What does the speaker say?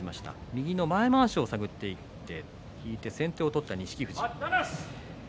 右の前まわしを探っていって先手を取った錦富士。